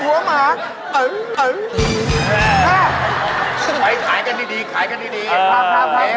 ราคาไม่แพง